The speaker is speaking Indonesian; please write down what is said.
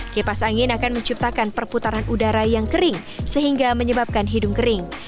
kipas angin akan menciptakan perputaran udara yang kering sehingga menyebabkan hidung kering